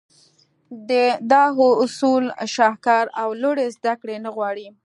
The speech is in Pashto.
دا اصول شهکار او لوړې زدهکړې نه غواړي.